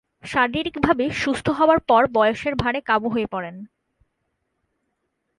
শারীরিকভাবে সুস্থ হবার পর বয়সের ভারে কাবু হয়ে পড়েন।